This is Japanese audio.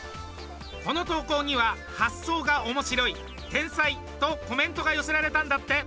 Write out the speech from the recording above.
この投稿には「発想が面白い」「天才」とコメントが寄せられたんだって。